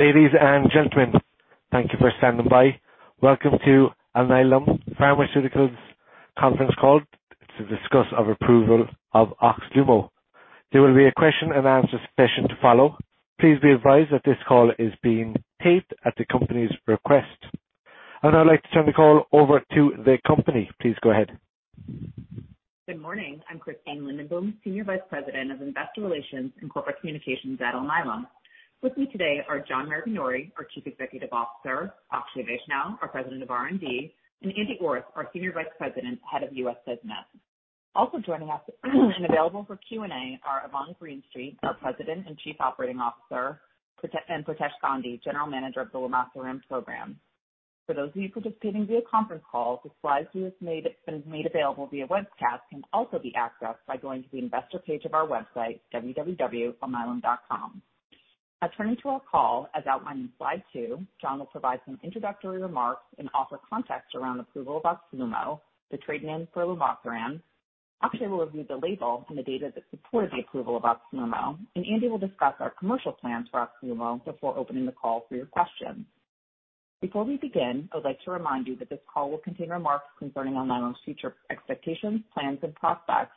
Ladies and gentlemen, thank you for standing by. Welcome to Alnylam Pharmaceuticals' conference call to discuss approval of OXLUMO. There will be a question and answer session to follow. Please be advised that this call is being taped at the company's request. I'd now like to turn the call over to the company. Please go ahead. Good morning. I'm Christine Lindenboom, Senior Vice President of Investor Relations and Corporate Communications at Alnylam. With me today are John Maraganore, our Chief Executive Officer; Akshay Vaishnaw, our President of R&D; and Andy Orth, our Senior Vice President, Head of U.S. Business. Also joining us and available for Q&A are Yvonne Greenstreet, our President and Chief Operating Officer; and Pritesh Gandhi, General Manager of the Lumasiran Program. For those of you participating via conference call, the slides we have made available via webcast can also be accessed by going to the investor page of our website, www.alnylam.com. Intro to our call, as outlined in slide two, John will provide some introductory remarks and offer context around approval of OXLUMO, the trade name for lumasiran. Akshay will review the label and the data that supported the approval of OXLUMO, and Andy will discuss our commercial plans for OXLUMO before opening the call for your questions. Before we begin, I would like to remind you that this call will contain remarks concerning Alnylam's future expectations, plans, and prospects,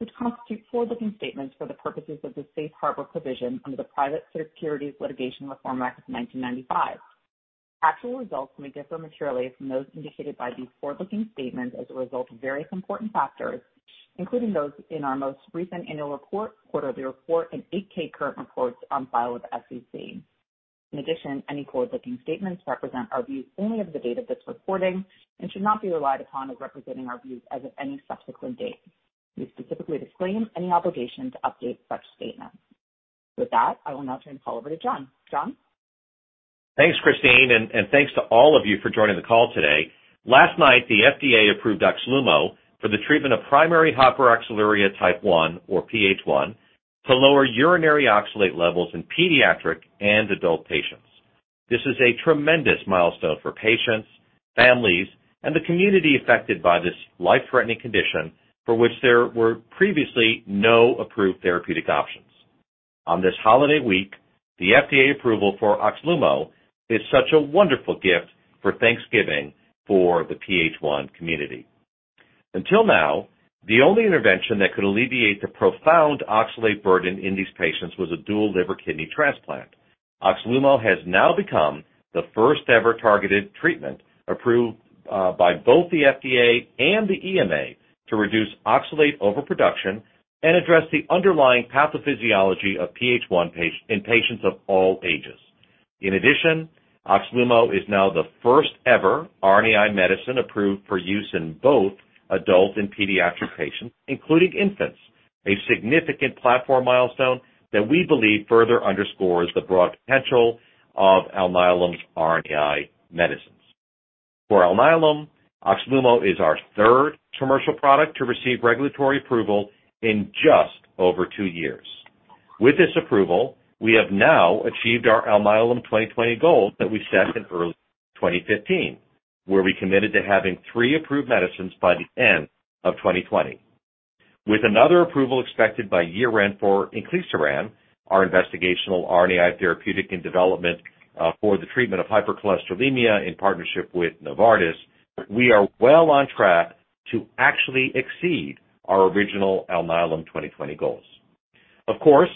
which constitute forward-looking statements for the purposes of the Safe Harbor Provision under the Private Securities Litigation Reform Act of 1995. Actual results may differ materially from those indicated by these forward-looking statements as a result of various important factors, including those in our most recent annual report, quarterly report, and 8-K current reports on file with SEC. In addition, any forward-looking statements represent our views only of the date of this recording and should not be relied upon as representing our views as of any subsequent date. We specifically disclaim any obligation to update such statements. With that, I will now turn the call over to John. John? Thanks, Christine, and thanks to all of you for joining the call today. Last night, the FDA approved OXLUMO for the treatment of primary hyperoxaluria type 1, or PH1, to lower urinary oxalate levels in pediatric and adult patients. This is a tremendous milestone for patients, families, and the community affected by this life-threatening condition for which there were previously no approved therapeutic options. On this holiday week, the FDA approval for OXLUMO is such a wonderful gift for Thanksgiving for the PH1 community. Until now, the only intervention that could alleviate the profound oxalate burden in these patients was a dual liver kidney transplant. OXLUMO has now become the first-ever targeted treatment approved by both the FDA and the EMA to reduce oxalate overproduction and address the underlying pathophysiology of PH1 in patients of all ages. In addition, OXLUMO is now the first-ever RNAi medicine approved for use in both adult and pediatric patients, including infants, a significant platform milestone that we believe further underscores the broad potential of Alnylam's RNAi medicines. For Alnylam, OXLUMO is our third commercial product to receive regulatory approval in just over two years. With this approval, we have now achieved our Alnylam 2020 goal that we set in early 2015, where we committed to having three approved medicines by the end of 2020. With another approval expected by year end for Inclisiran, our investigational RNAi therapeutic in development for the treatment of hypercholesterolemia in partnership with Novartis, we are well on track to actually exceed our original Alnylam 2020 goals. Of course,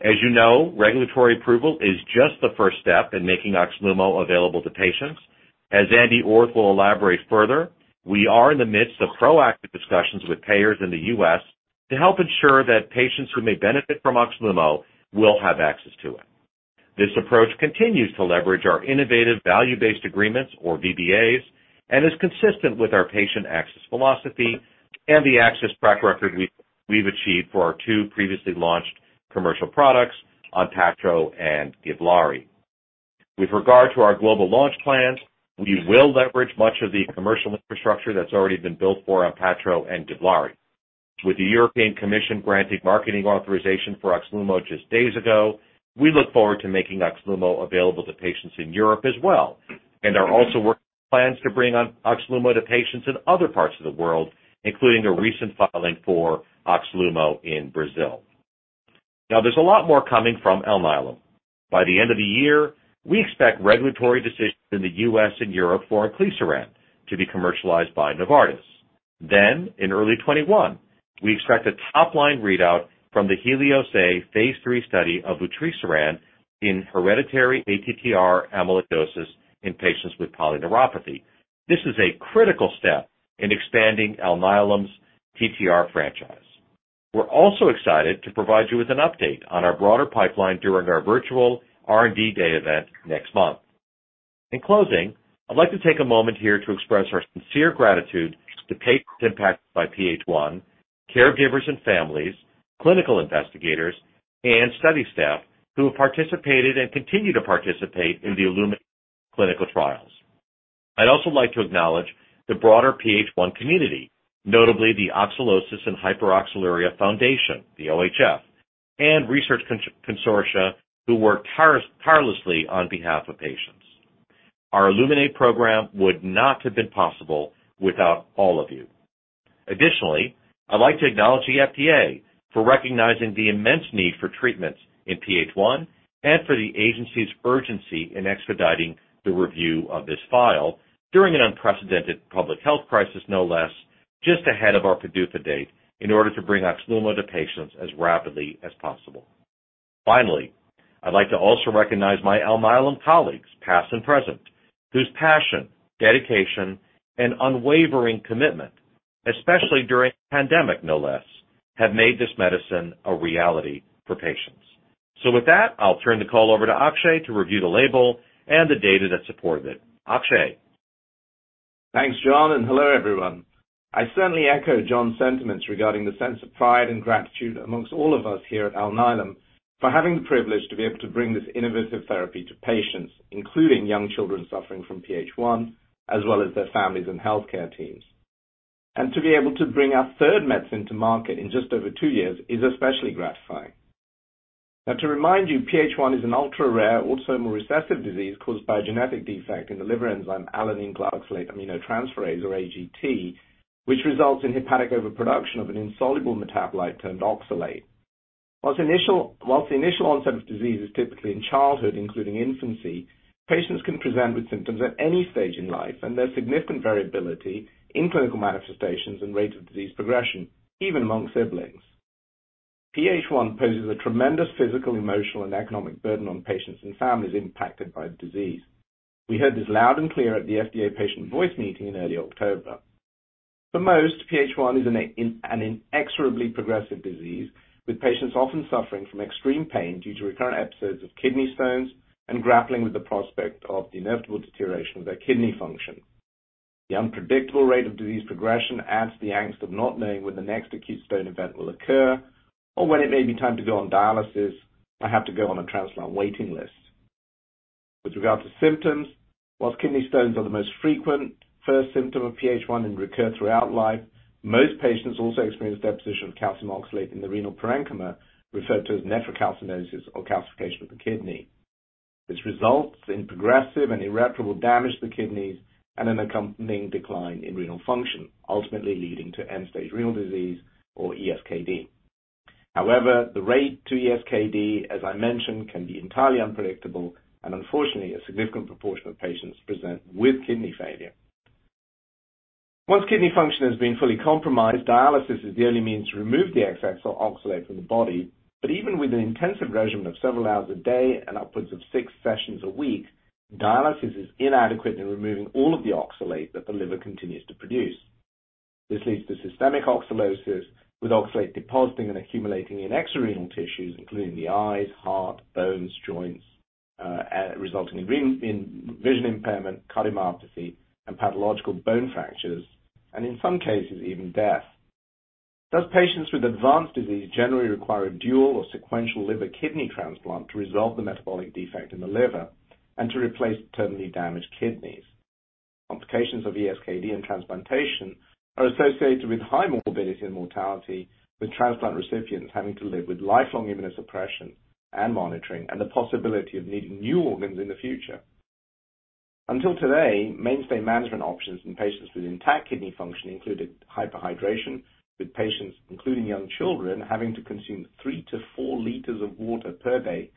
as you know, regulatory approval is just the first step in making OXLUMO available to patients. As Andy Orth will elaborate further, we are in the midst of proactive discussions with payers in the U.S. to help ensure that patients who may benefit from OXLUMO will have access to it. This approach continues to leverage our innovative value-based agreements, or VBAs, and is consistent with our patient access philosophy and the access track record we've achieved for our two previously launched commercial products, ONPATTRO and GIVLAARI. With regard to our global launch plans, we will leverage much of the commercial infrastructure that's already been built for ONPATTRO and GIVLAARI. With the European Commission granting marketing authorization for OXLUMO just days ago, we look forward to making OXLUMO available to patients in Europe as well and are also working on plans to bring OXLUMO to patients in other parts of the world, including a recent filing for OXLUMO in Brazil. Now, there's a lot more coming from Alnylam. By the end of the year, we expect regulatory decisions in the U.S. and Europe for Inclisiran to be commercialized by Novartis. Then, in early 2021, we expect a top-line readout from the HELIOS-A phase 3 study of vutrisiran in hereditary ATTR amyloidosis in patients with polyneuropathy. This is a critical step in expanding Alnylam's TTR franchise. We're also excited to provide you with an update on our broader pipeline during our virtual R&D day event next month. In closing, I'd like to take a moment here to express our sincere gratitude to patients impacted by PH1, caregivers and families, clinical investigators, and study staff who have participated and continue to participate in the Illuminate clinical trials. I'd also like to acknowledge the broader PH1 community, notably the Oxalosis and Hyperoxaluria Foundation, the OHF, and research consortia who work tirelessly on behalf of patients. Our Illuminate program would not have been possible without all of you. Additionally, I'd like to acknowledge the FDA for recognizing the immense need for treatments in PH1 and for the agency's urgency in expediting the review of this file during an unprecedented public health crisis, no less, just ahead of our PDUFA date in order to bring OXLUMO to patients as rapidly as possible. Finally, I'd like to also recognize my Alnylam colleagues, past and present, whose passion, dedication, and unwavering commitment, especially during the pandemic, no less, have made this medicine a reality for patients. So with that, I'll turn the call over to Akshay to review the label and the data that supported it. Akshay. Thanks, John, and hello, everyone. I certainly echo John's sentiments regarding the sense of pride and gratitude among all of us here at Alnylam for having the privilege to be able to bring this innovative therapy to patients, including young children suffering from PH1, as well as their families and healthcare teams. And to be able to bring our third medicine to market in just over two years is especially gratifying. Now, to remind you, PH1 is an ultra-rare autosomal recessive disease caused by a genetic defect in the liver enzyme alanine-glyoxylate aminotransferase, or AGT, which results in hepatic overproduction of an insoluble metabolite turned oxalate. While the initial onset of disease is typically in childhood, including infancy, patients can present with symptoms at any stage in life, and there's significant variability in clinical manifestations and rates of disease progression, even among siblings. PH1 poses a tremendous physical, emotional, and economic burden on patients and families impacted by the disease. We heard this loud and clear at the FDA patient voice meeting in early October. For most, PH1 is an inexorably progressive disease, with patients often suffering from extreme pain due to recurrent episodes of kidney stones and grappling with the prospect of the inevitable deterioration of their kidney function. The unpredictable rate of disease progression adds the angst of not knowing when the next acute stone event will occur or when it may be time to go on dialysis or have to go on a transplant waiting list. With regard to symptoms, while kidney stones are the most frequent, first symptom of PH1 and recur throughout life, most patients also experience deposition of calcium oxalate in the renal parenchyma, referred to as nephrocalcinosis or calcification of the kidney. This results in progressive and irreparable damage to the kidneys and an accompanying decline in renal function, ultimately leading to end-stage renal disease or ESKD. However, the rate to ESKD, as I mentioned, can be entirely unpredictable, and unfortunately, a significant proportion of patients present with kidney failure. Once kidney function has been fully compromised, dialysis is the only means to remove the excess oxalate from the body, but even with an intensive regimen of several hours a day and upwards of six sessions a week, dialysis is inadequate in removing all of the oxalate that the liver continues to produce. This leads to systemic oxalosis, with oxalate depositing and accumulating in extra-renal tissues, including the eyes, heart, bones, joints, resulting in vision impairment, cardiomyopathy, and pathological bone fractures, and in some cases, even death. Do patients with advanced disease generally require a dual or sequential liver kidney transplant to resolve the metabolic defect in the liver and to replace terminally damaged kidneys? Complications of ESKD and transplantation are associated with high morbidity and mortality, with transplant recipients having to live with lifelong immunosuppression and monitoring and the possibility of needing new organs in the future. Until today, mainstay management options in patients with intact kidney function included hyperhydration, with patients, including young children, having to consume three to four liters of water per day,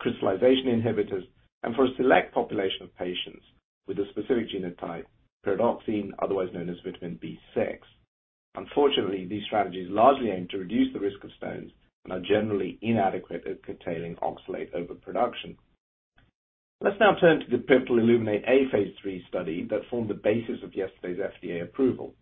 crystallization inhibitors, and for a select population of patients with a specific genotype, pyridoxine, otherwise known as vitamin B6. Unfortunately, these strategies largely aim to reduce the risk of stones and are generally inadequate at curtailing oxalate overproduction. Let's now turn to the pivotal Illuminate A phase 3 study that formed the basis of yesterday's FDA approval.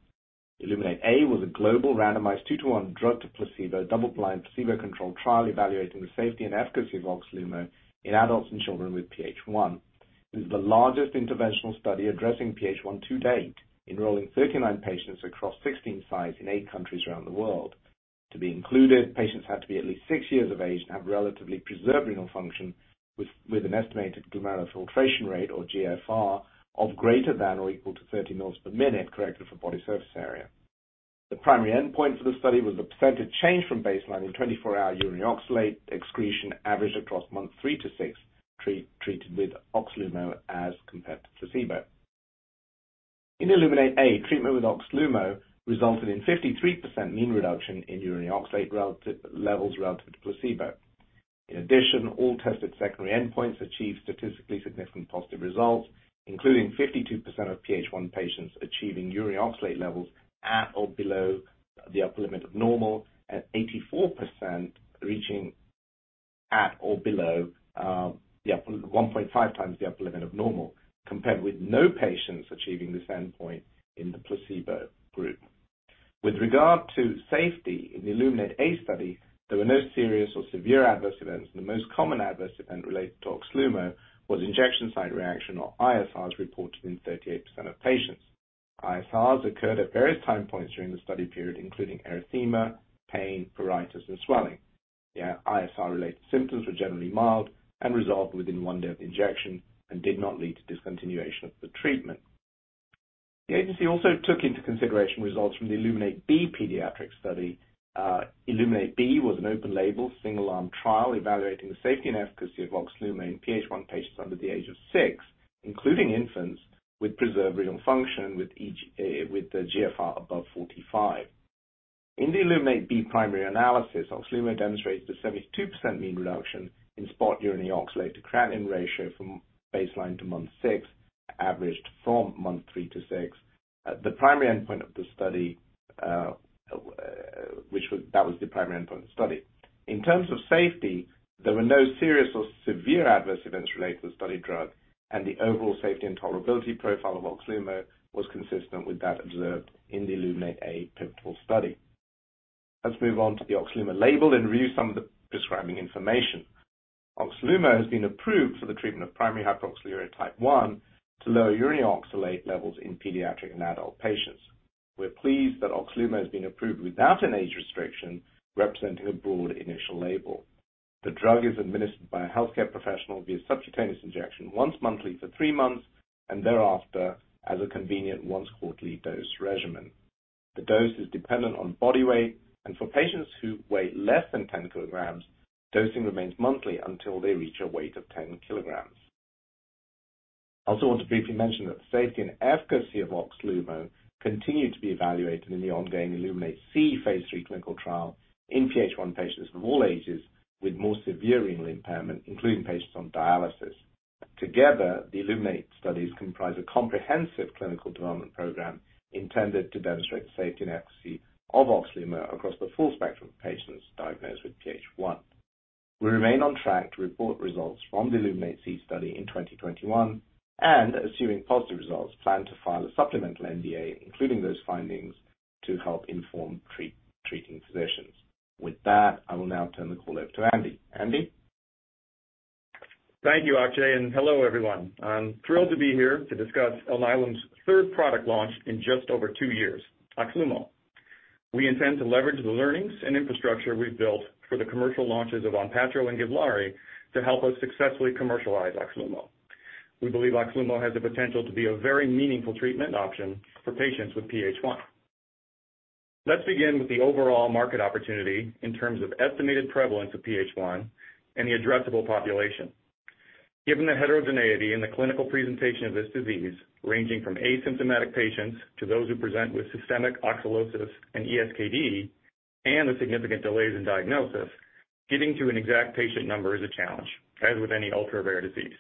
Illuminate A was a global randomized two-to-one drug-to-placebo double-blind placebo-controlled trial evaluating the safety and efficacy of OXLUMO in adults and children with PH1. It is the largest interventional study addressing PH1 to date, enrolling 39 patients across 16 sites in eight countries around the world. To be included, patients had to be at least six years of age and have relatively preserved renal function with an estimated glomerular filtration rate, or GFR, of greater than or equal to 30 mL per minute corrected for body surface area. The primary endpoint for the study was the percentage change from baseline in 24-hour urine oxalate excretion averaged across month three to six treated with OXLUMO as compared to placebo. In Illuminate A, treatment with OXLUMO resulted in 53% mean reduction in urine oxalate levels relative to placebo. In addition, all tested secondary endpoints achieved statistically significant positive results, including 52% of PH1 patients achieving urine oxalate levels at or below the upper limit of normal and 84% reaching at or below 1.5 times the upper limit of normal, compared with no patients achieving this endpoint in the placebo group. With regard to safety, in the Illuminate A study, there were no serious or severe adverse events, and the most common adverse event related to OXLUMO was injection site reaction or ISRs reported in 38% of patients. ISRs occurred at various time points during the study period, including erythema, pain, pruritus, and swelling. The ISR-related symptoms were generally mild and resolved within one day of the injection and did not lead to discontinuation of the treatment. The agency also took into consideration results from the Illuminate B pediatric study. Illuminate B was an open-label, single-arm trial evaluating the safety and efficacy of OXLUMO in PH1 patients under the age of six, including infants with preserved renal function with a GFR above 45. In the Illuminate B primary analysis, OXLUMO demonstrated a 72% mean reduction in spot urine oxalate-to-creatinine ratio from baseline to month six, averaged from month three to six. The primary endpoint of the study, which was the primary endpoint of the study. In terms of safety, there were no serious or severe adverse events related to the study drug, and the overall safety and tolerability profile of OXLUMO was consistent with that observed in the Illuminate A pivotal study. Let's move on to the OXLUMO label and review some of the prescribing information. OXLUMO has been approved for the treatment of primary hyperoxaluria type 1 to lower urine oxalate levels in pediatric and adult patients. We're pleased that OXLUMO has been approved without an age restriction, representing a broad initial label. The drug is administered by a healthcare professional via subcutaneous injection once monthly for three months and thereafter as a convenient once-quarterly dose regimen. The dose is dependent on body weight, and for patients who weigh less than 10 kilograms, dosing remains monthly until they reach a weight of 10 kilograms. I also want to briefly mention that the safety and efficacy of OXLUMO continue to be evaluated in the ongoing Illuminate C phase 3 clinical trial in PH1 patients of all ages with more severe renal impairment, including patients on dialysis. Together, the Illuminate studies comprise a comprehensive clinical development program intended to demonstrate the safety and efficacy of OXLUMO across the full spectrum of patients diagnosed with PH1. We remain on track to report results from the Illuminate C study in 2021, and assuming positive results, plan to file a supplemental NDA, including those findings, to help inform treating physicians. With that, I will now turn the call over to Andy. Andy? Thank you, Akshay, and hello, everyone. I'm thrilled to be here to discuss Alnylam's third product launch in just over two years, OXLUMO. We intend to leverage the learnings and infrastructure we've built for the commercial launches of ONPATTRO and GIVLAARI to help us successfully commercialize OXLUMO. We believe OXLUMO has the potential to be a very meaningful treatment option for patients with PH1. Let's begin with the overall market opportunity in terms of estimated prevalence of PH1 and the addressable population. Given the heterogeneity in the clinical presentation of this disease, ranging from asymptomatic patients to those who present with systemic oxalosis and ESKD and the significant delays in diagnosis, getting to an exact patient number is a challenge, as with any ultra-rare disease.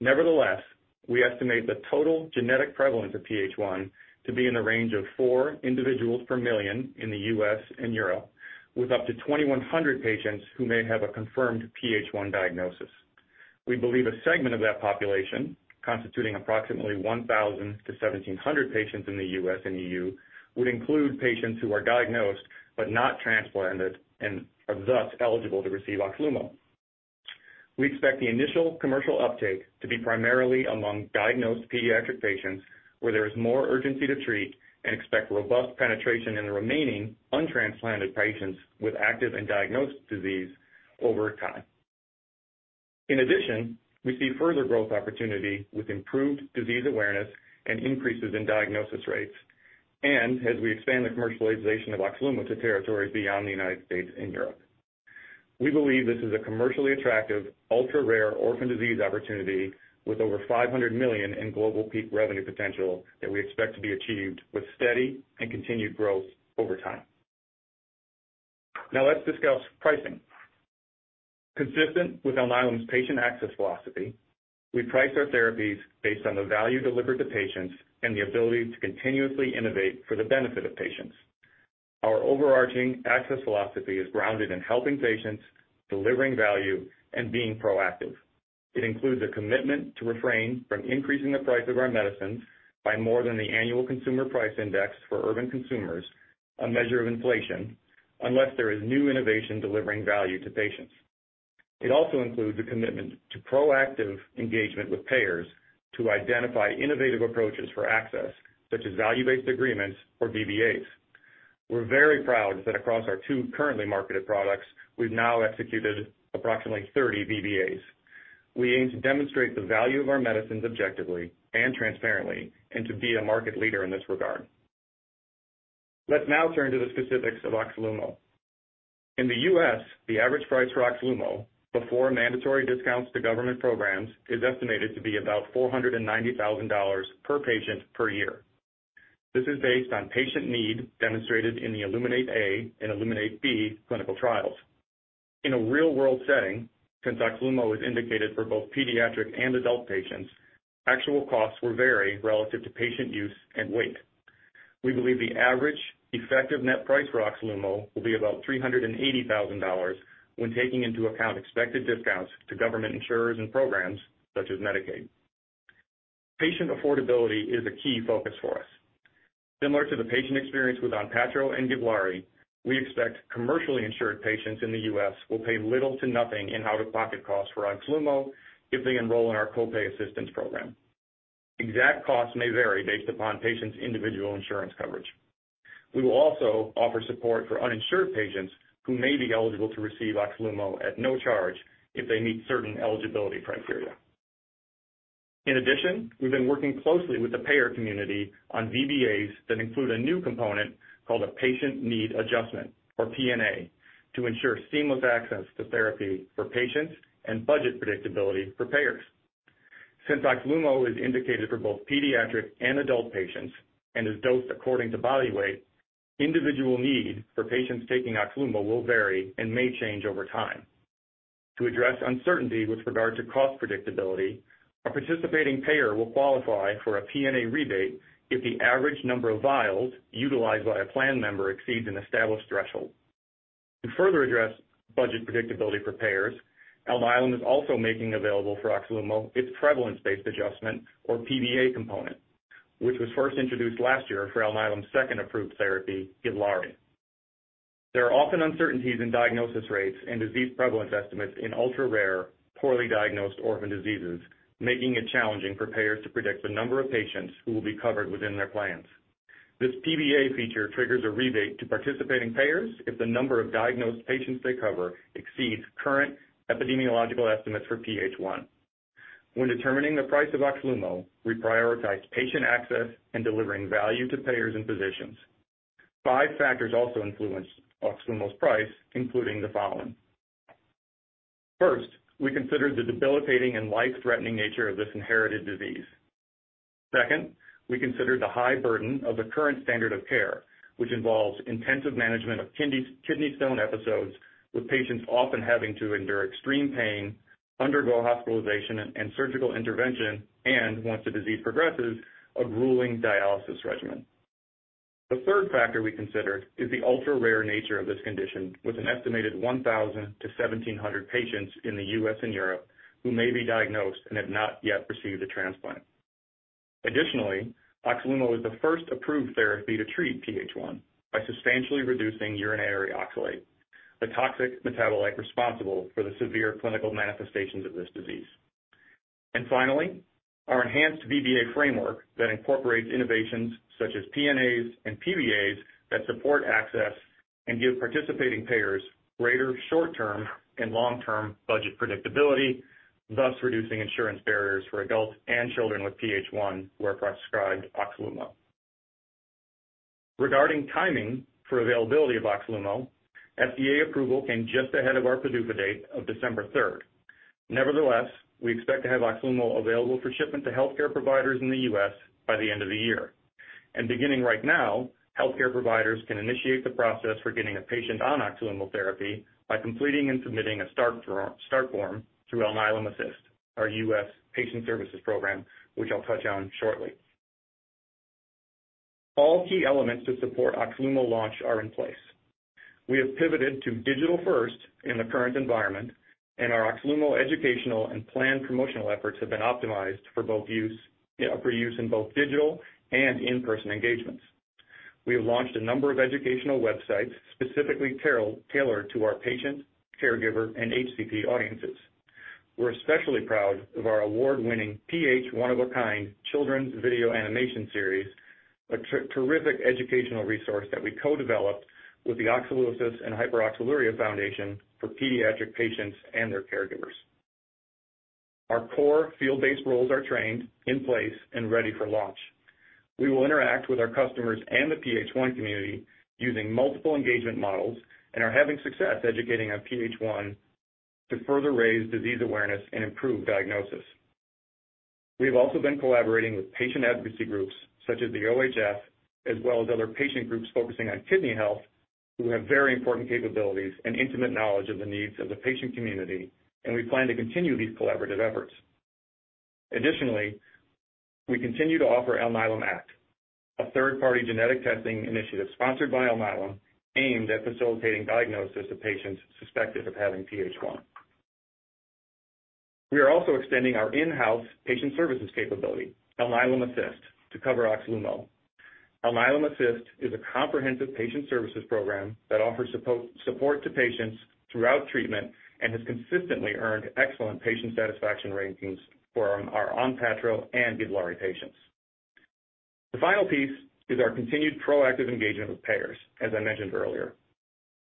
Nevertheless, we estimate the total genetic prevalence of PH1 to be in the range of four individuals per million in the U.S. and Europe, with up to 2,100 patients who may have a confirmed PH1 diagnosis. We believe a segment of that population, constituting approximately 1,000 to 1,700 patients in the U.S. and EU, would include patients who are diagnosed but not transplanted and are thus eligible to receive OXLUMO. We expect the initial commercial uptake to be primarily among diagnosed pediatric patients where there is more urgency to treat and expect robust penetration in the remaining untransplanted patients with active and diagnosed disease over time. In addition, we see further growth opportunity with improved disease awareness and increases in diagnosis rates, and as we expand the commercialization of OXLUMO to territories beyond the United States and Europe. We believe this is a commercially attractive ultra-rare orphan disease opportunity with over $500 million in global peak revenue potential that we expect to be achieved with steady and continued growth over time. Now, let's discuss pricing. Consistent with Alnylam's patient access philosophy, we price our therapies based on the value delivered to patients and the ability to continuously innovate for the benefit of patients. Our overarching access philosophy is grounded in helping patients, delivering value, and being proactive. It includes a commitment to refrain from increasing the price of our medicines by more than the annual Consumer Price Index for Urban Consumers, a measure of inflation, unless there is new innovation delivering value to patients. It also includes a commitment to proactive engagement with payers to identify innovative approaches for access, such as value-based agreements or VBAs. We're very proud that across our two currently marketed products, we've now executed approximately 30 VBAs. We aim to demonstrate the value of our medicines objectively and transparently and to be a market leader in this regard. Let's now turn to the specifics of OXLUMO. In the U.S., the average price for OXLUMO before mandatory discounts to government programs is estimated to be about $490,000 per patient per year. This is based on patient need demonstrated in the Illuminate A and Illuminate B clinical trials. In a real-world setting, since OXLUMO is indicated for both pediatric and adult patients, actual costs will vary relative to patient use and weight. We believe the average effective net price for OXLUMO will be about $380,000 when taking into account expected discounts to government insurers and programs such as Medicaid. Patient affordability is a key focus for us. Similar to the patient experience with ONPATTRO and GIVLAARI, we expect commercially insured patients in the U.S. will pay little to nothing in out-of-pocket costs for OXLUMO if they enroll in our copay assistance program. Exact costs may vary based upon patients' individual insurance coverage. We will also offer support for uninsured patients who may be eligible to receive OXLUMO at no charge if they meet certain eligibility criteria. In addition, we've been working closely with the payer community on VBAs that include a new component called a patient need adjustment, or PNA, to ensure seamless access to therapy for patients and budget predictability for payers. Since OXLUMO is indicated for both pediatric and adult patients and is dosed according to body weight, individual need for patients taking OXLUMO will vary and may change over time. To address uncertainty with regard to cost predictability, a participating payer will qualify for a PNA rebate if the average number of vials utilized by a plan member exceeds an established threshold. To further address budget predictability for payers, Alnylam is also making available for OXLUMO its prevalence-based adjustment, or PBA component, which was first introduced last year for Alnylam's second approved therapy, GIVLAARI. There are often uncertainties in diagnosis rates and disease prevalence estimates in ultra-rare, poorly diagnosed orphan diseases, making it challenging for payers to predict the number of patients who will be covered within their plans. This PBA feature triggers a rebate to participating payers if the number of diagnosed patients they cover exceeds current epidemiological estimates for PH1. When determining the price of OXLUMO, we prioritized patient access and delivering value to payers and physicians. Five factors also influenced OXLUMO's price, including the following. First, we considered the debilitating and life-threatening nature of this inherited disease. Second, we considered the high burden of the current standard of care, which involves intensive management of kidney stone episodes, with patients often having to endure extreme pain, undergo hospitalization and surgical intervention, and, once the disease progresses, a grueling dialysis regimen. The third factor we considered is the ultra-rare nature of this condition, with an estimated 1,000-1,700 patients in the U.S. and Europe who may be diagnosed and have not yet received a transplant. Additionally, OXLUMO is the first approved therapy to treat PH1 by substantially reducing urinary oxalate, the toxic metabolite responsible for the severe clinical manifestations of this disease. Finally, our enhanced VBA framework that incorporates innovations such as PNAs and PBAs that support access and give participating payers greater short-term and long-term budget predictability, thus reducing insurance barriers for adults and children with PH1 who are prescribed OXLUMO. Regarding timing for availability of OXLUMO, FDA approval came just ahead of our PDUFA date of December 3rd. Nevertheless, we expect to have OXLUMO available for shipment to healthcare providers in the U.S. by the end of the year. Beginning right now, healthcare providers can initiate the process for getting a patient on OXLUMO therapy by completing and submitting a start form through Alnylam Assist, our U.S. patient services program, which I'll touch on shortly. All key elements to support OXLUMO launch are in place. We have pivoted to digital-first in the current environment, and our OXLUMO educational and planned promotional efforts have been optimized for use in both digital and in-person engagements. We have launched a number of educational websites specifically tailored to our patient, caregiver, and HCP audiences. We're especially proud of our award-winning PH1 One-of-a-Kind children's video animation series, a terrific educational resource that we co-developed with the Oxalosis and Hyperoxaluria Foundation for pediatric patients and their caregivers. Our core field-based roles are trained, in place, and ready for launch. We will interact with our customers and the PH1 community using multiple engagement models and are having success educating on PH1 to further raise disease awareness and improve diagnosis. We have also been collaborating with patient advocacy groups such as the OHF, as well as other patient groups focusing on kidney health, who have very important capabilities and intimate knowledge of the needs of the patient community, and we plan to continue these collaborative efforts. Additionally, we continue to offer Alnylam Act, a third-party genetic testing initiative sponsored by Alnylam aimed at facilitating diagnosis of patients suspected of having PH1. We are also extending our in-house patient services capability, Alnylam Assist, to cover OXLUMO. Alnylam Assist is a comprehensive patient services program that offers support to patients throughout treatment and has consistently earned excellent patient satisfaction ratings for our ONPATTRO and GIVLAARI patients. The final piece is our continued proactive engagement with payers, as I mentioned earlier.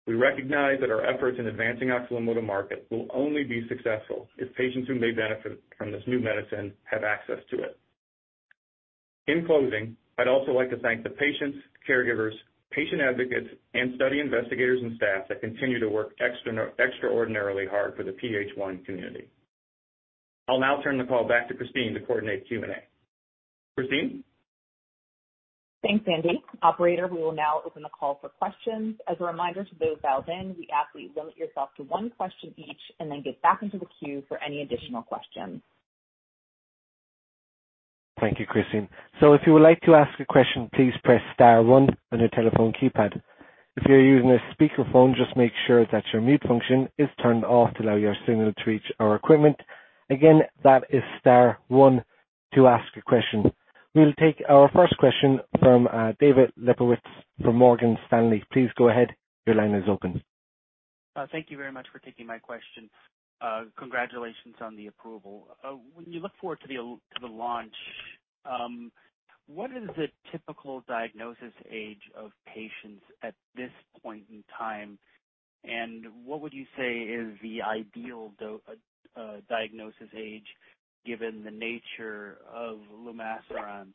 We recognize that our efforts in advancing OXLUMO to market will only be successful if patients who may benefit from this new medicine have access to it. In closing, I'd also like to thank the patients, caregivers, patient advocates, and study investigators and staff that continue to work extraordinarily hard for the PH1 community. I'll now turn the call back to Christine to coordinate Q&A. Christine? Thanks, Andy. Operator, we will now open the call for questions. As a reminder to those dialed in, we ask that you limit yourself to one question each and then get back into the queue for any additional questions. Thank you, Christine. So if you would like to ask a question, please press star one on your telephone keypad. If you're using a speakerphone, just make sure that your mute function is turned off to allow your signal to reach our equipment. Again, that is star one to ask a question. We'll take our first question from David Lebowitz from Morgan Stanley. Please go ahead. Your line is open. Thank you very much for taking my question. Congratulations on the approval. When you look forward to the launch, what is the typical diagnosis age of patients at this point in time, and what would you say is the ideal diagnosis age given the nature of lumasiran,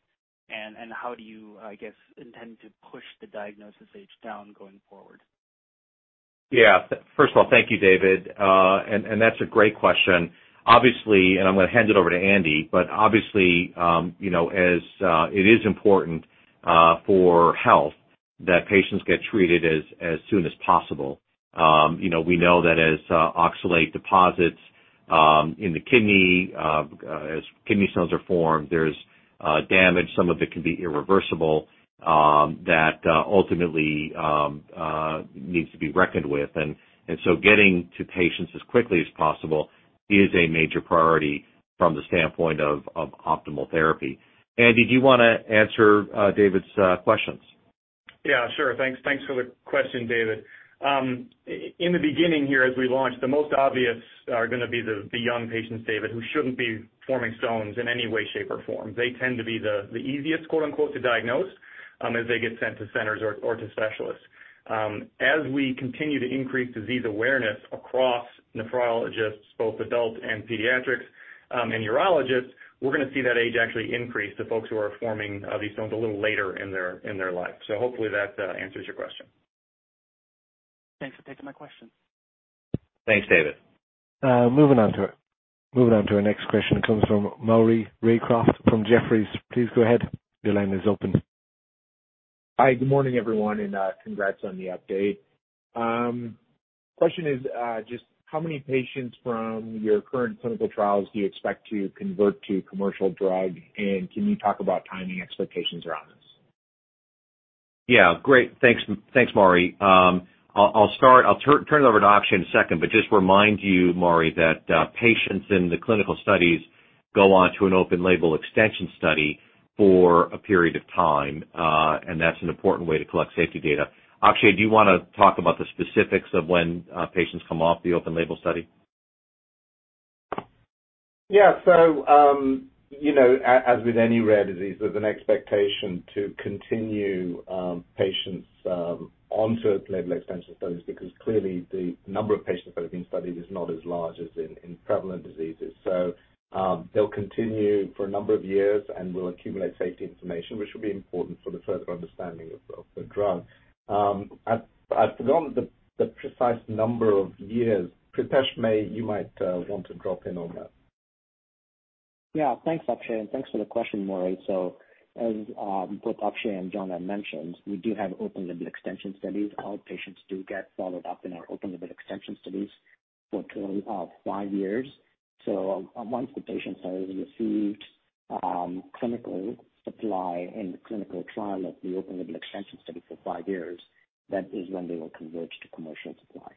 and how do you, I guess, intend to push the diagnosis age down going forward? Yeah. First of all, thank you, David. And that's a great question. Obviously, and I'm going to hand it over to Andy, but obviously, as it is important for health that patients get treated as soon as possible. We know that as oxalate deposits in the kidney, as kidney stones are formed, there's damage. Some of it can be irreversible that ultimately needs to be reckoned with. And so getting to patients as quickly as possible is a major priority from the standpoint of optimal therapy. Andy, do you want to answer David's questions? Yeah, sure. Thanks for the question, David. In the beginning here, as we launch, the most obvious are going to be the young patients, David, who shouldn't be forming stones in any way, shape, or form. They tend to be the easiest to diagnose as they get sent to centers or to specialists. As we continue to increase disease awareness across nephrologists, both adult and pediatrics, and urologists, we're going to see that age actually increase to folks who are forming these stones a little later in their life. So hopefully, that answers your question. Thanks for taking my question. Thanks, David. Moving on to our next question comes from Maury Raycroft from Jefferies. Please go ahead. Your line is open. Hi. Good morning, everyone, and congrats on the update. Question is just how many patients from your current clinical trials do you expect to convert to commercial drug, and can you talk about timing expectations around this? Yeah. Great. Thanks, Maury. I'll turn it over to Akshay in a second, but just remind you, Maury, that patients in the clinical studies go on to an open-label extension study for a period of time, and that's an important way to collect safety data. Akshay, do you want to talk about the specifics of when patients come off the open-label study? Yeah. So as with any rare disease, there's an expectation to continue patients onto open-label extension studies because clearly, the number of patients that have been studied is not as large as in prevalent diseases. So they'll continue for a number of years and will accumulate safety information, which will be important for the further understanding of the drug. I've forgotten the precise number of years. Pritesh, you might want to drop in on that. Yeah. Thanks, Akshay, and thanks for the question, Maury. So as both Akshay and Jon had mentioned, we do have open-label extension studies. Our patients do get followed up in our open-label extension studies for a total of five years. So once the patients have received clinical supply and clinical trial of the open-label extension study for five years, that is when they will convert to commercial supply.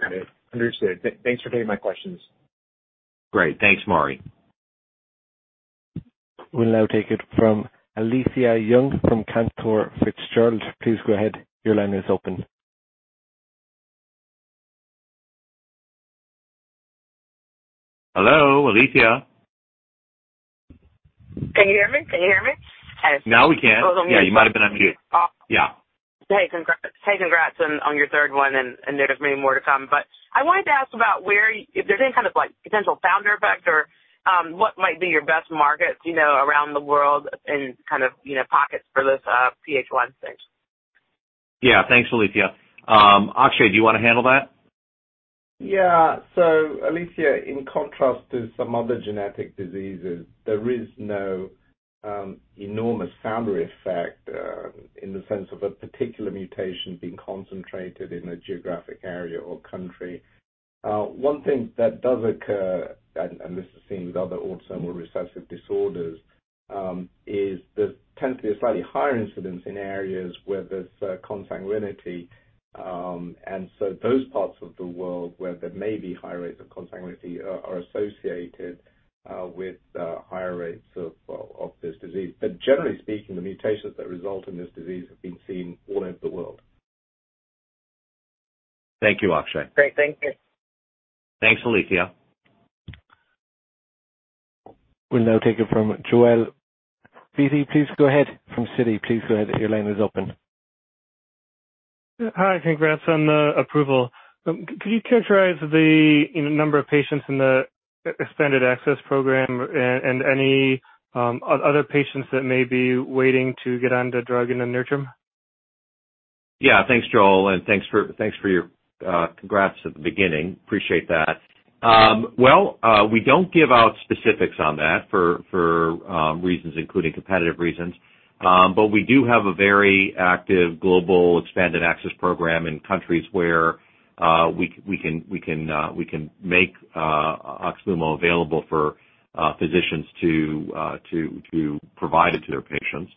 Got it. Understood. Thanks for taking my questions. Great. Thanks, Maury. We'll now take it from Alethia Young from Cantor Fitzgerald. Please go ahead. Your line is open. Hello, Alethia. Can you hear me? Can you hear me? Now we can. Yeah. You might have been unmuted. Yeah. Hey, congrats on your third one, and there's many more to come. But I wanted to ask about if there's any kind of potential founder effect or what might be your best markets around the world in kind of pockets for this PH1 thing? Yeah. Thanks, Alethia. Akshay, do you want to handle that? Yeah. So Alethia, in contrast to some other genetic diseases, there is no enormous founder effect in the sense of a particular mutation being concentrated in a geographic area or country. One thing that does occur, and this is seen with other autosomal recessive disorders, is there tends to be a slightly higher incidence in areas where there's consanguinity. And so those parts of the world where there may be high rates of consanguinity are associated with higher rates of this disease. But generally speaking, the mutations that result in this disease have been seen all over the world. Thank you, Akshay. Great. Thank you. Thanks, Alethia. We'll now take it from Joel Beatty. Please go ahead. From Joel Beatty, please go ahead. Your line is open. Hi. Congrats on the approval. Could you characterize the number of patients in the expanded access program and any other patients that may be waiting to get onto drug in the near term? Yeah. Thanks, Joel. And thanks for your congrats at the beginning. Appreciate that. Well, we don't give out specifics on that for reasons, including competitive reasons. But we do have a very active global expanded access program in countries where we can make OXLUMO available for physicians to provide it to their patients.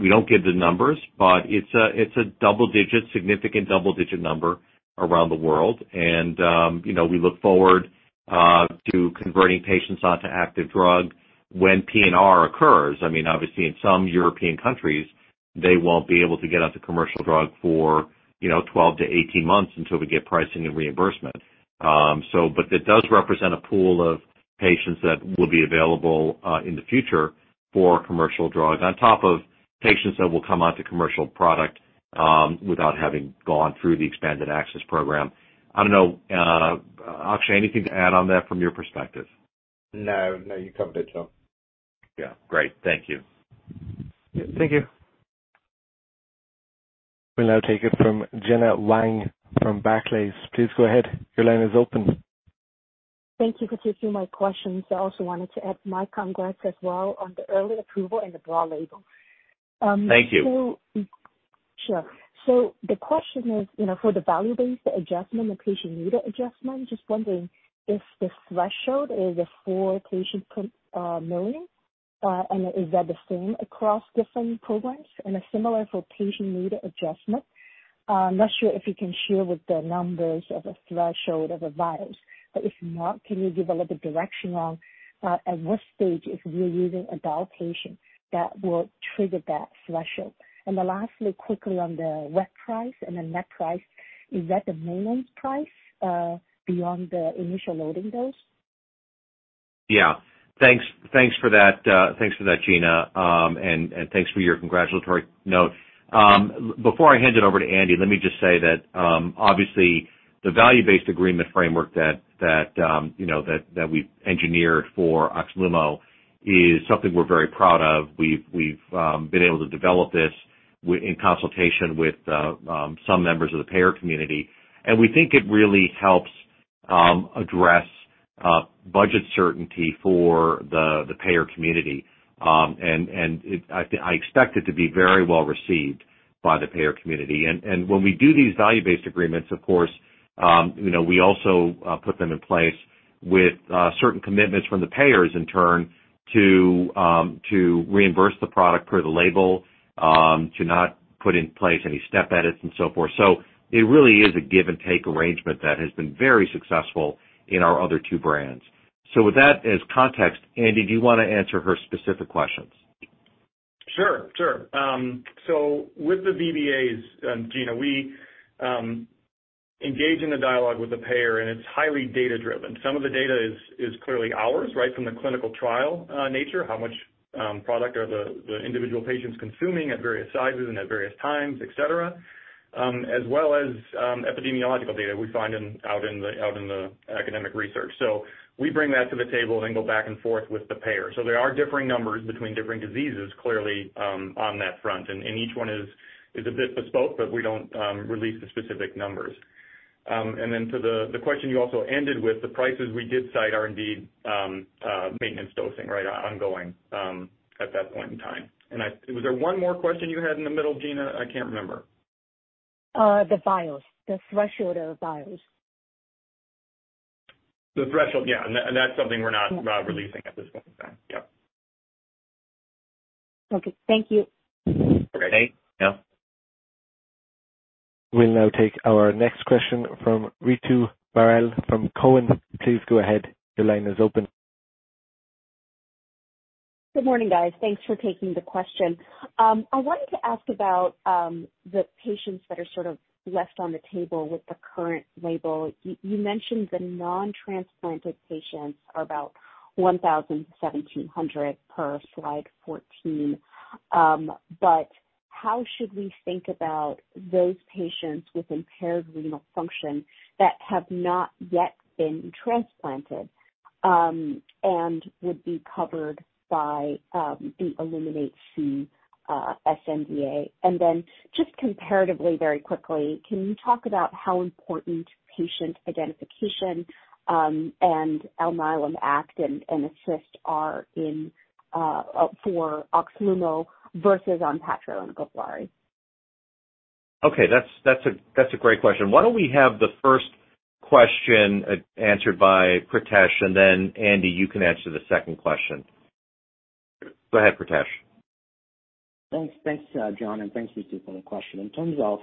We don't give the numbers, but it's a significant double-digit number around the world. And we look forward to converting patients onto active drug when PDUFA occurs. I mean, obviously, in some European countries, they won't be able to get onto commercial drug for 12-18 months until we get pricing and reimbursement. But that does represent a pool of patients that will be available in the future for commercial drug on top of patients that will come onto commercial product without having gone through the expanded access program. I don't know. Akshay, anything to add on that from your perspective? No. No, you covered it, John. Yeah. Great. Thank you. Thank you. We'll now take it from Gena Wang from Barclays. Please go ahead. Your line is open. Thank you for taking my questions. I also wanted to add my congrats as well on the early approval and the broad label. Thank you. Sure. So the question is for the value-based agreement, the patient need adjustment, just wondering if the threshold is four patients per million, and is that the same across different programs and similar for patient need adjustment? I'm not sure if you can share the numbers for the threshold over which. But if not, can you give a little bit of direction on at what stage, or if we're using adult patients, that will trigger that threshold? And lastly, quickly on the WAC price and the net price, is that the minimum price beyond the initial loading dose? Yeah. Thanks for that, Gena. And thanks for your congratulatory note. Before I hand it over to Andy, let me just say that obviously, the value-based agreement framework that we've engineered for OXLUMO is something we're very proud of. We've been able to develop this in consultation with some members of the payer community. And we think it really helps address budget certainty for the payer community. And I expect it to be very well received by the payer community. And when we do these value-based agreements, of course, we also put them in place with certain commitments from the payers in turn to reimburse the product per the label, to not put in place any step edits and so forth. So it really is a give-and-take arrangement that has been very successful in our other two brands. So with that as context, Andy, do you want to answer her specific questions? Sure. Sure. So with the VBAs, Gena, we engage in the dialogue with the payer, and it's highly data-driven. Some of the data is clearly ours, right, from the clinical trial nature, how much product are the individual patients consuming at various sizes and at various times, etc., as well as epidemiological data we find out in the academic research. So we bring that to the table and go back and forth with the payer. So there are differing numbers between different diseases, clearly, on that front. And each one is a bit bespoke, but we don't release the specific numbers. And then to the question you also ended with, the prices we did cite are indeed maintenance dosing, right, ongoing at that point in time. And was there one more question you had in the middle, Gena? I can't remember. The vials, the threshold of the vials. The threshold, yeah. And that's something we're not releasing at this point in time. Yep. Okay. Thank you. Okay. Thank you. We'll now take our next question from Ritu Baral from Cowen. Please go ahead. Your line is open. Good morning, guys. Thanks for taking the question. I wanted to ask about the patients that are sort of left on the table with the current label. You mentioned the non-transplanted patients are about 1,000-1,700 per slide 14. But how should we think about those patients with impaired renal function that have not yet been transplanted and would be covered by the Illuminate C sNDA? And then just comparatively, very quickly, can you talk about how important patient identification and Alnylam Act and ASSIST are for OXLUMO versus ONPATTRO and GIVLAARI? Okay. That's a great question. Why don't we have the first question answered by Pritesh, and then Andy, you can answer the second question. Go ahead, Pritesh. Thanks, John. And thanks for the question. In terms of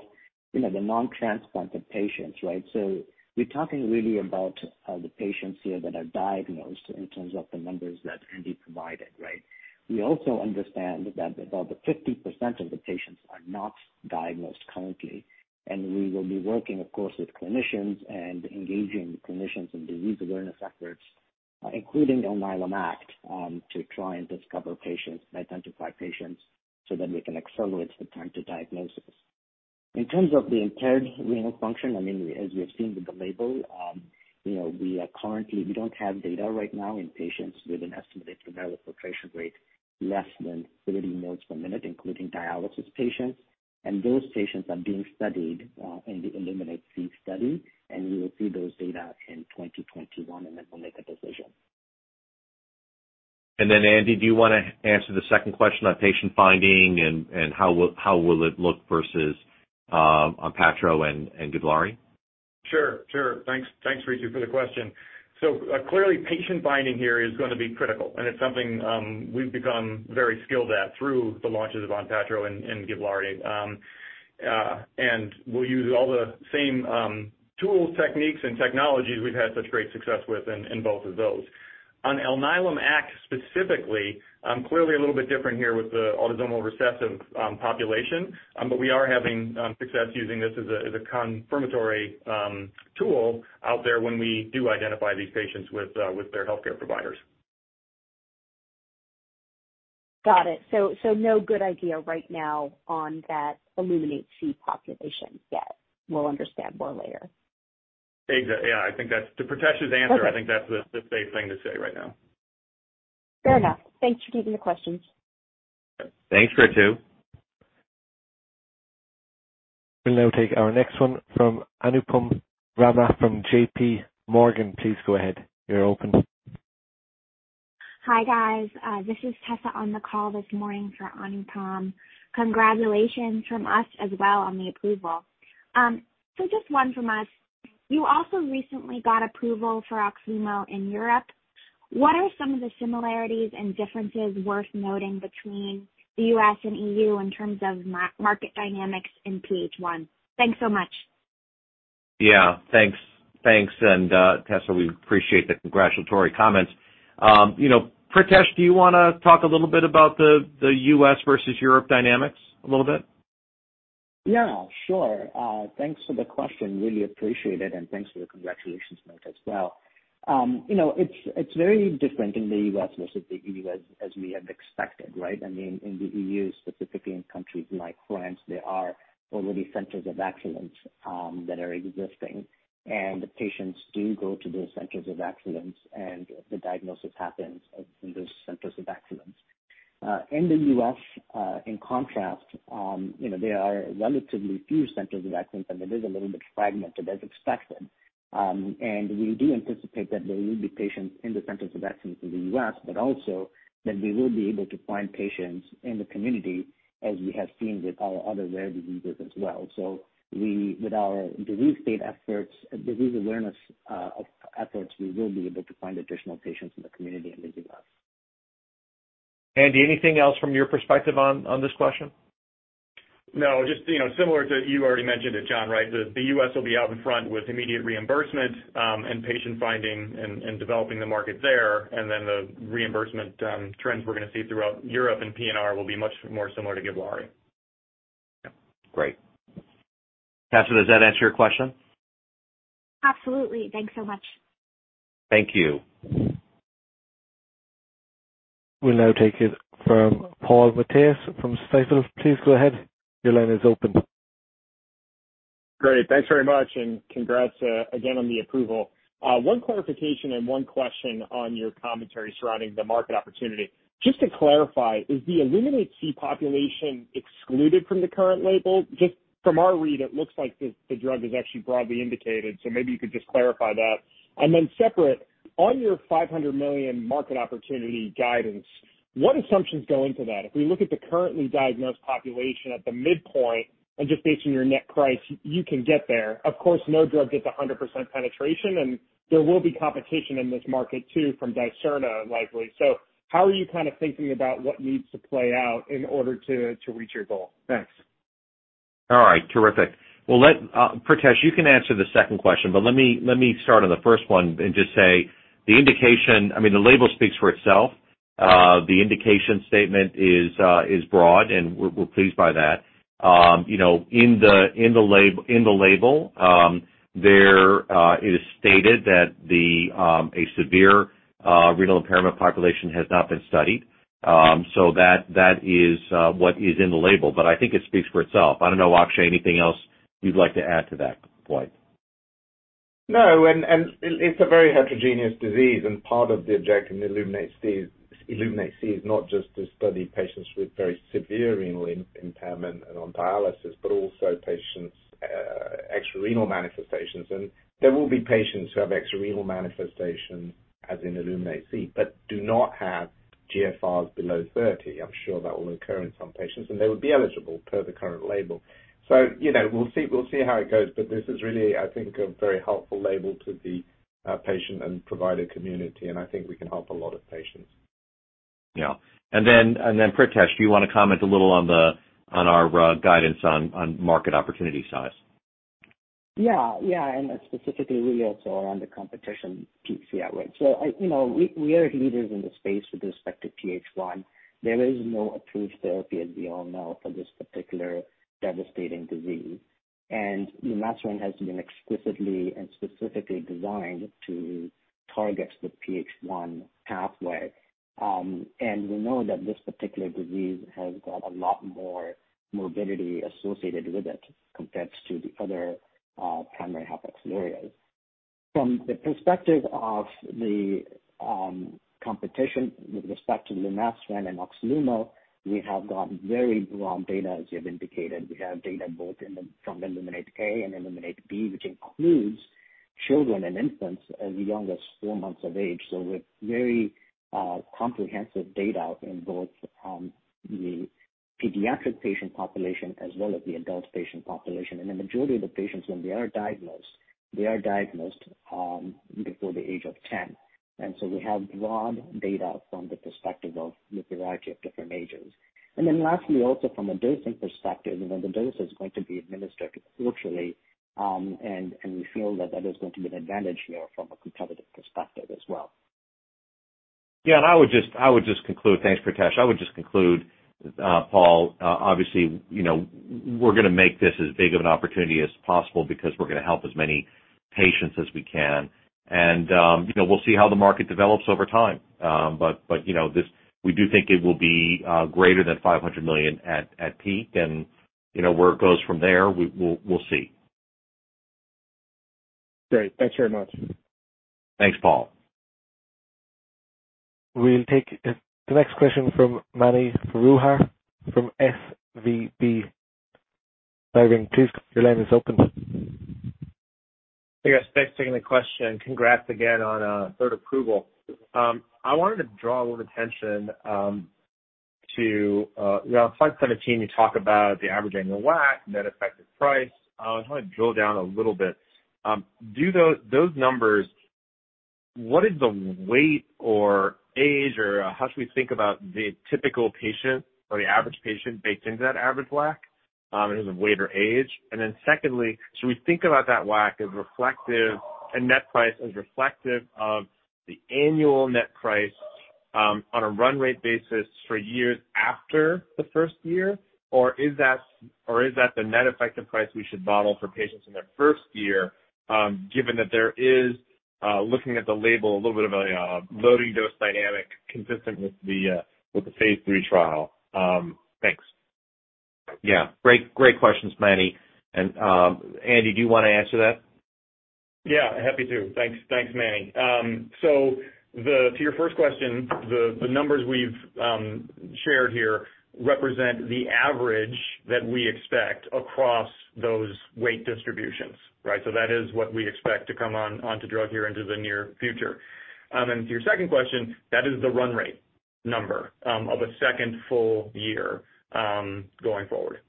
the non-transplanted patients, right, so we're talking really about the patients here that are diagnosed in terms of the numbers that Andy provided, right? We also understand that about 50% of the patients are not diagnosed currently. And we will be working, of course, with clinicians and engaging clinicians in disease awareness efforts, including Alnylam Act, to try and discover patients and identify patients so that we can accelerate the time to diagnosis. In terms of the impaired renal function, I mean, as we have seen with the label, we don't have data right now in patients with an estimated glomerular filtration rate less than 30 milliliters per minute, including dialysis patients. And those patients are being studied in the Illuminate C study. And we will see those data in 2021, and then we'll make a decision. And then, Andy, do you want to answer the second question on patient finding and how will it look versus ONPATTRO and GIVLAARI? Sure. Sure. Thanks, Ritu, for the question. So clearly, patient finding here is going to be critical. And it's something we've become very skilled at through the launches of ONPATTRO and GIVLAARI. And we'll use all the same tools, techniques, and technologies we've had such great success with in both of those. On Alnylam Act specifically, clearly a little bit different here with the autosomal recessive population. But we are having success using this as a confirmatory tool out there when we do identify these patients with their healthcare providers. Got it. So no good idea right now on that Illuminate C population yet. We'll understand more later. Exactly. Yeah. I think that's to Pritesh's answer, I think that's the safe thing to say right now. Fair enough. Thanks for taking the questions. Thanks for it too. We'll now take our next one from Anupam Rama from JP Morgan. Please go ahead. You're open. Hi, guys. This is Tessa on the call this morning for Anupam. Congratulations from us as well on the approval. So just one from us. You also recently got approval for OXLUMO in Europe. What are some of the similarities and differences worth noting between the US and EU in terms of market dynamics in PH1? Thanks so much. Yeah. Thanks. Thanks. And Tessa, we appreciate the congratulatory comments. Pritesh, do you want to talk a little bit about the U.S. versus Europe dynamics a little bit? Yeah. Sure. Thanks for the question. Really appreciate it. And thanks for the congratulations note as well. It's very different in the U.S. versus the E.U. as we have expected, right? I mean, in the E.U., specifically in countries like France, there are already centers of excellence that are existing. And patients do go to those centers of excellence, and the diagnosis happens in those centers of excellence. In the U.S., in contrast, there are relatively few centers of excellence, and it is a little bit fragmented as expected. And we do anticipate that there will be patients in the centers of excellence in the U.S., but also that we will be able to find patients in the community as we have seen with our other rare diseases as well. So with our disease state efforts, disease awareness efforts, we will be able to find additional patients in the community in the U.S. Andy, anything else from your perspective on this question? No. Just similar to you already mentioned it, John, right? The U.S. will be out in front with immediate reimbursement and patient finding and developing the market there. And then the reimbursement trends we're going to see throughout Europe and ex-U.S. will be much more similar to GIVLAARI. Great. Tessa, does that answer your question? Absolutely. Thanks so much. Thank you. We'll now take it from Paul Matteis from Stifel. Please go ahead. Your line is open. Great. Thanks very much. And congrats again on the approval. One clarification and one question on your commentary surrounding the market opportunity. Just to clarify, is the Illuminate C population excluded from the current label? Just from our read, it looks like the drug is actually broadly indicated. So maybe you could just clarify that. And then separate, on your $500 million market opportunity guidance, what assumptions go into that? If we look at the currently diagnosed population at the midpoint, and just based on your net price, you can get there. Of course, no drug gets 100% penetration. And there will be competition in this market too from Dicerna likely. So how are you kind of thinking about what needs to play out in order to reach your goal? Thanks. All right. Terrific. Well, Pritesh, you can answer the second question. But let me start on the first one and just say the indication I mean, the label speaks for itself. The indication statement is broad, and we're pleased by that. In the label, it is stated that a severe renal impairment population has not been studied. So that is what is in the label. But I think it speaks for itself. I don't know, Akshay, anything else you'd like to add to that point? No. And it's a very heterogeneous disease. And part of the objective in Illuminate C is not just to study patients with very severe renal impairment and on dialysis, but also patients' extrarenal manifestations. And there will be patients who have extrarenal manifestations as in Illuminate C but do not have GFRs below 30. I'm sure that will occur in some patients. And they would be eligible per the current label. So we'll see how it goes. But this is really, I think, a very helpful label to the patient and provider community. And I think we can help a lot of patients. Yeah, and then, Pritesh, do you want to comment a little on our guidance on market opportunity size? Yeah. Yeah. And specifically, we also are on the competition piece here. So we are leaders in the space with respect to PH1. There is no approved therapy as we all know for this particular devastating disease. And that's when it has to be explicitly and specifically designed to target the PH1 pathway. And we know that this particular disease has got a lot more morbidity associated with it compared to the other primary hyperoxalurias. From the perspective of the competition with respect to lumasiran and OXLUMO, we have got very broad data, as you have indicated. We have data both from Illuminate A and Illuminate B, which includes children and infants as young as four months of age. So we have very comprehensive data in both the pediatric patient population as well as the adult patient population. And the majority of the patients, when they are diagnosed, they are diagnosed before the age of 10. And so we have broad data from the perspective of the variety of different ages. And then lastly, also from a dosing perspective, the dose is going to be administered quarterly. And we feel that that is going to be an advantage here from a competitive perspective as well. Yeah. And I would just conclude thanks, Pritesh. I would just conclude, Paul, obviously, we're going to make this as big of an opportunity as possible because we're going to help as many patients as we can. And we'll see how the market develops over time. But we do think it will be greater than $500 million at peak. And where it goes from there, we'll see. Great. Thanks very much. Thanks, Paul. We'll take the next question from Mani Foroohar from SVB Leerink. Please, your line is open. Hey, guys. Thanks for taking the question. Congrats again on third approval. I wanted to draw a little attention to around slide 17, you talk about the average annual WAC, net effective price. I want to drill down a little bit. Those numbers, what is the weight or age or how should we think about the typical patient or the average patient baked into that average WAC? And is it weight or age? And then secondly, should we think about that WAC as reflective and net price as reflective of the annual net price on a run rate basis for years after the first year? Or is that the net effective price we should model for patients in their first year, given that there is, looking at the label, a little bit of a loading dose dynamic consistent with the phase 3 trial? Thanks. Yeah. Great questions, Mani. And Andy, do you want to answer that? Yeah. Happy to. Thanks, Mani. So to your first question, the numbers we've shared here represent the average that we expect across those weight distributions, right? So that is what we expect to come onto drug here into the near future. And to your second question, that is the run rate number of a second full year going forward.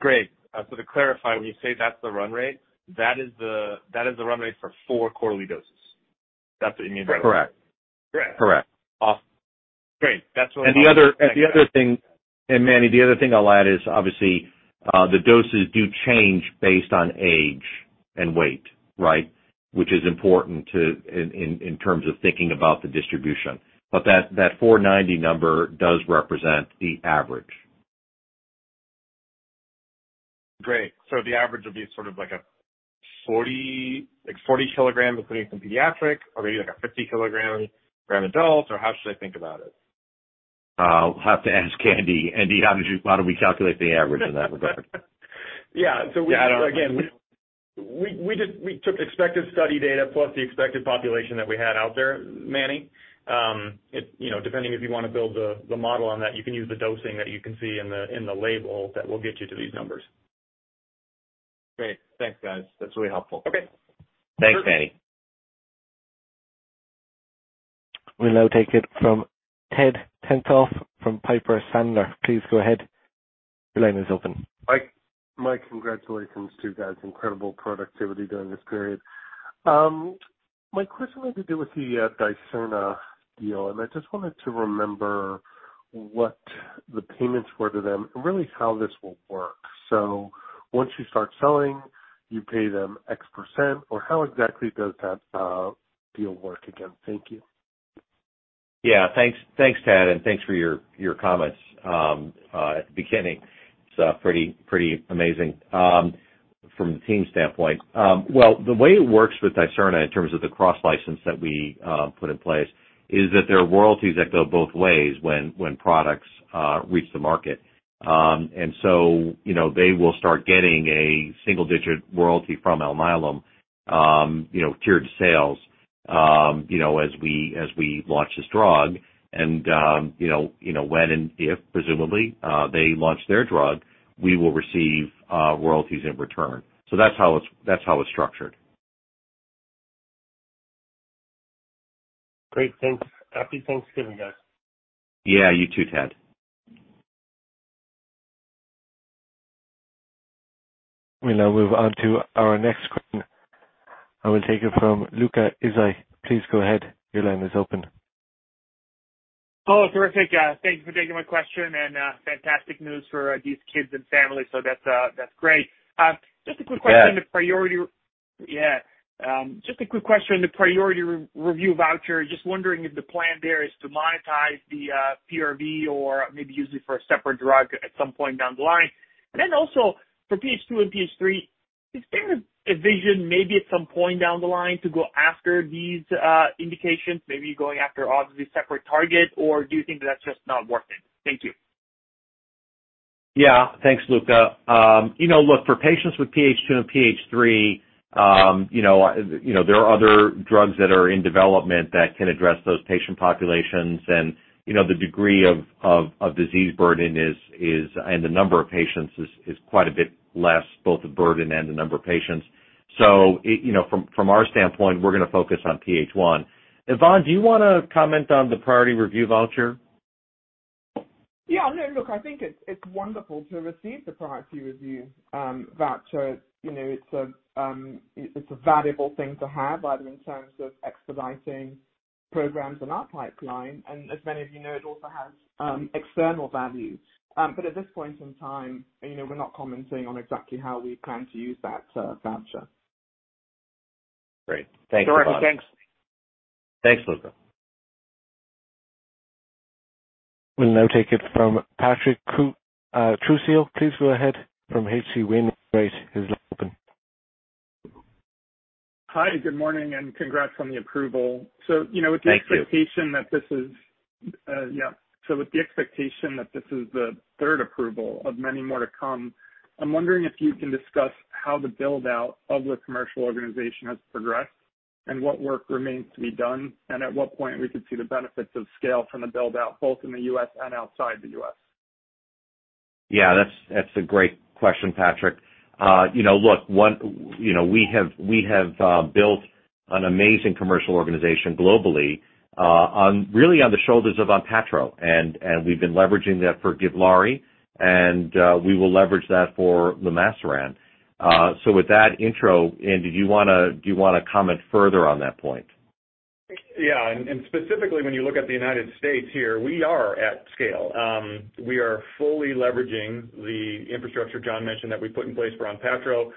Great. So to clarify, when you say that's the run rate, that is the run rate for four quarterly doses. That's what you mean by that? Correct. Correct. Correct. Awesome. Great. That's what I wanted to. Mani, the other thing I'll add is, obviously, the doses do change based on age and weight, right? Which is important in terms of thinking about the distribution. That $490,000 number does represent the average. Great. So the average would be sort of like a 40-kilogram, including some pediatric, or maybe like a 50-kilogram adult? Or how should I think about it? We'll have to ask Andy. Andy, how do we calculate the average in that regard? Yeah. So again, we took expected study data plus the expected population that we had out there, Mani. Depending if you want to build the model on that, you can use the dosing that you can see in the label that will get you to these numbers. Great. Thanks, guys. That's really helpful. Okay. Thanks, Mani. We'll now take it from Ted Tenthoff from Piper Sandler. Please go ahead. Your line is open. Mike, congratulations to you guys' incredible productivity during this period. My question has to do with the Dicerna deal. And I just wanted to remember what the payments were to them and really how this will work. So once you start selling, you pay them X%? Or how exactly does that deal work again? Thank you. Yeah. Thanks, Ted. And thanks for your comments at the beginning. It's pretty amazing from the team's standpoint. Well, the way it works with Dicerna in terms of the cross-license that we put in place is that there are royalties that go both ways when products reach the market. And so they will start getting a single-digit royalty from Alnylam tiered sales as we launch this drug. And when and if, presumably, they launch their drug, we will receive royalties in return. So that's how it's structured. Great. Thanks. Happy Thanksgiving, guys. Yeah. You too, Ted. We'll now move on to our next question. I will take it from Luca Issi. Please go ahead. Your line is open. Oh, terrific. Thank you for taking my question. And fantastic news for these kids and families. So that's great. Just a quick question. Yeah. Just a quick question. The priority review voucher, just wondering if the plan there is to monetize the PRV or maybe use it for a separate drug at some point down the line. And then also, for PH2 and PH3, is there a vision maybe at some point down the line to go after these indications, maybe going after obviously separate target? Or do you think that that's just not worth it? Thank you. Yeah. Thanks, Luca. Look, for patients with PH2 and PH3, there are other drugs that are in development that can address those patient populations. And the degree of disease burden and the number of patients is quite a bit less, both the burden and the number of patients. So from our standpoint, we're going to focus on PH1. Yvonne, do you want to comment on the priority review voucher? Yeah. Look, I think it's wonderful to receive the priority review voucher. It's a valuable thing to have either in terms of expediting programs in our pipeline. And as many of you know, it also has external value. But at this point in time, we're not commenting on exactly how we plan to use that voucher. Great. Thanks. Terrific. Thanks. Thanks, Luca. We'll now take it from Patrick Trucchio. Please go ahead. From H.C. Wainwright. His line is open. Hi. Good morning. And congrats on the approval. So with the expectation that this is the third approval of many more to come, I'm wondering if you can discuss how the build-out of the commercial organization has progressed and what work remains to be done, and at what point we could see the benefits of scale from the build-out both in the U.S. and outside the U.S. Yeah. That's a great question, Patrick. Look, we have built an amazing commercial organization globally really on the shoulders of ONPATTRO. And we've been leveraging that for GIVLAARI. And we will leverage that for lumasiran. So with that intro, Andy, do you want to comment further on that point? Yeah. And specifically, when you look at the United States here, we are at scale. We are fully leveraging the infrastructure John mentioned that we put in place for ONPATTRO,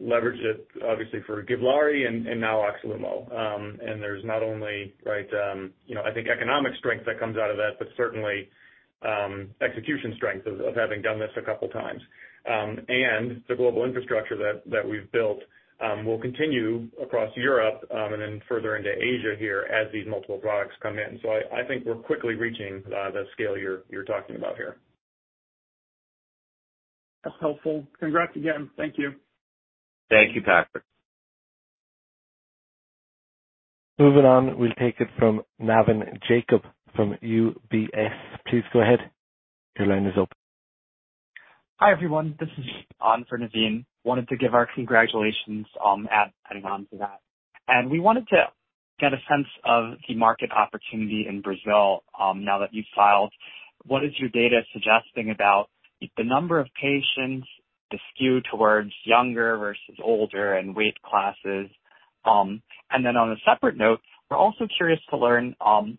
leverage it obviously for GIVLAARI and now OXLUMO. And there's not only, right, I think, economic strength that comes out of that, but certainly execution strength of having done this a couple of times. And the global infrastructure that we've built will continue across Europe and then further into Asia here as these multiple products come in. So I think we're quickly reaching the scale you're talking about here. That's helpful. Congrats again. Thank you. Thank you, Patrick. Moving on, we'll take it from Navin Jacob from UBS. Please go ahead. Your line is open. Hi everyone. This is Jon for Navin. Wanted to give our congratulations on adding on to that. And we wanted to get a sense of the market opportunity in Brazil now that you filed. What is your data suggesting about the number of patients skewed towards younger versus older and weight classes? And then on a separate note, we're also curious to learn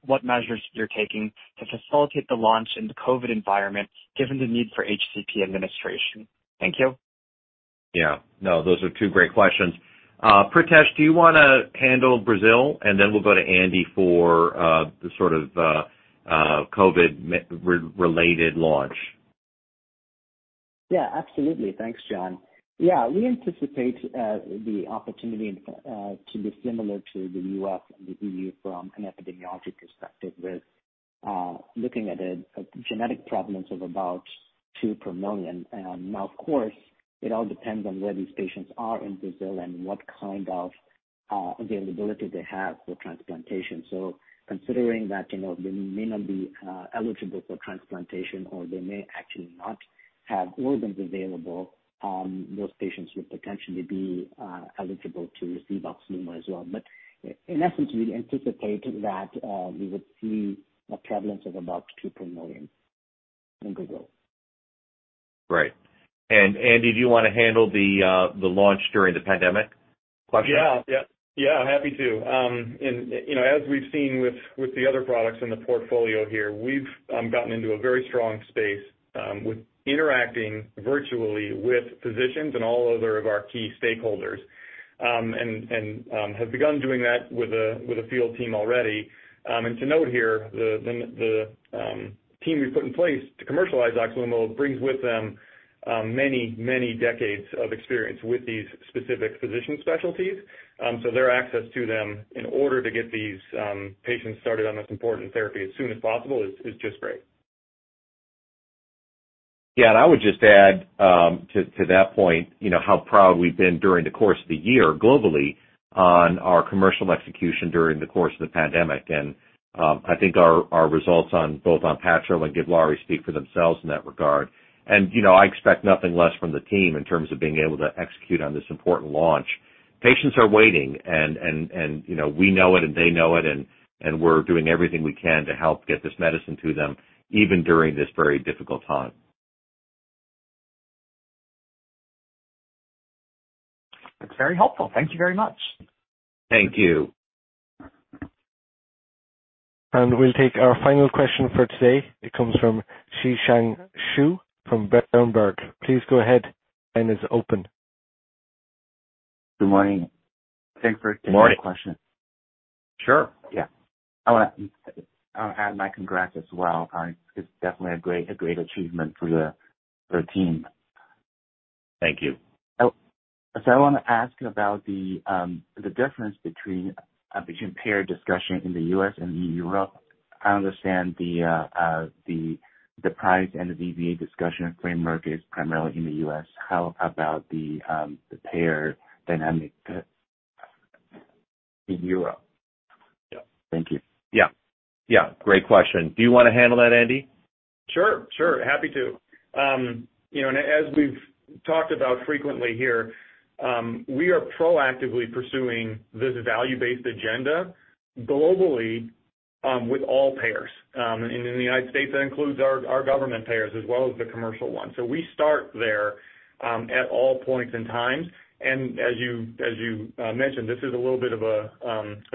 what measures you're taking to facilitate the launch in the COVID environment given the need for HCP administration. Thank you. Yeah. No, those are two great questions. Pritesh, do you want to handle Brazil? And then we'll go to Andy for the sort of COVID-related launch. Yeah. Absolutely. Thanks, John. Yeah. We anticipate the opportunity to be similar to the U.S. and the EU from an epidemiology perspective with looking at a genetic prevalence of about two per million. And now, of course, it all depends on where these patients are in Brazil and what kind of availability they have for transplantation. So considering that they may not be eligible for transplantation or they may actually not have organs available, those patients would potentially be eligible to receive OXLUMO as well. But in essence, we anticipate that we would see a prevalence of about two per million in Brazil. Right. And Andy, do you want to handle the launch during the pandemic question? Yeah. Happy to. And as we've seen with the other products in the portfolio here, we've gotten into a very strong space with interacting virtually with physicians and all other of our key stakeholders and have begun doing that with a field team already. And to note here, the team we've put in place to commercialize OXLUMO brings with them many, many decades of experience with these specific physician specialties. So their access to them in order to get these patients started on this important therapy as soon as possible is just great. Yeah. And I would just add to that point how proud we've been during the course of the year globally on our commercial execution during the course of the pandemic. And I think our results on both ONPATTRO and GIVLAARI speak for themselves in that regard. And I expect nothing less from the team in terms of being able to execute on this important launch. Patients are waiting. And we know it, and they know it, and we're doing everything we can to help get this medicine to them even during this very difficult time. That's very helpful. Thank you very much. Thank you. We'll take our final question for today. It comes from Zhiqiang Shu from Berenberg. Please go ahead. Line is open. Good morning. Thanks for taking the question. Good morning. Sure. Yeah. I want to add my congrats as well. It's definitely a great achievement for the team. Thank you. So I want to ask about the difference between payer discussion in the U.S. and in Europe. I understand the payer and the VBA discussion framework is primarily in the U.S. How about the payer dynamic in Europe? Yeah. Thank you. Yeah. Yeah. Great question. Do you want to handle that, Andy? Sure. Sure. Happy to. And as we've talked about frequently here, we are proactively pursuing this value-based agenda globally with all payers. And in the United States, that includes our government payers as well as the commercial one. So we start there at all points in time. And as you mentioned, this is a little bit of a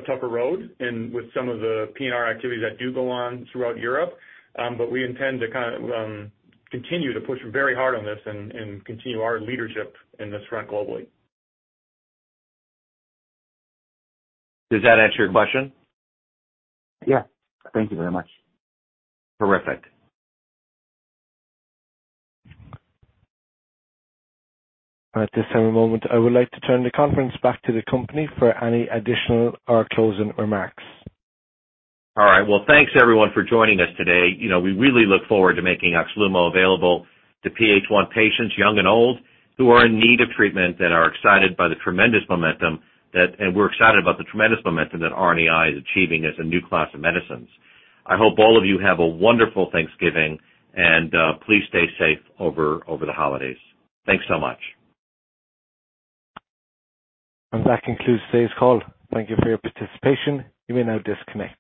tougher road with some of the P&R activities that do go on throughout Europe. But we intend to kind of continue to push very hard on this and continue our leadership in this front globally. Does that answer your question? Yeah. Thank you very much. Terrific. At this very moment, I would like to turn the conference back to the company for any additional or closing remarks. All right. Well, thanks everyone for joining us today. We really look forward to making OXLUMO available to PH1 patients, young and old, who are in need of treatment, and we're excited by the tremendous momentum that RNAi is achieving as a new class of medicines. I hope all of you have a wonderful Thanksgiving. And please stay safe over the holidays. Thanks so much. That concludes today's call. Thank you for your participation. You may now disconnect.